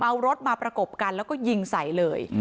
เอารถมาประกบกันแล้วก็ยิงใส่เลย